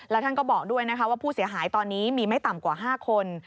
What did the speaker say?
แล้วท่านก็บอกด้วยนะคะว่าผู้เสียหายตอนนี้มีไม่ต่ำกว่า๕คน